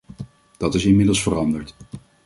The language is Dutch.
Dat is inmiddels veranderd.